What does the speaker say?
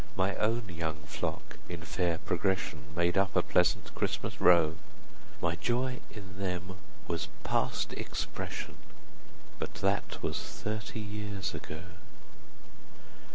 My own young flock, in fair progression, Made up a pleasant Christmas row: 30 My joy in them was past expression; But that was thirty years ago.